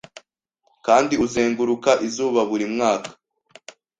kandi uzenguruka izuba buri mwaka.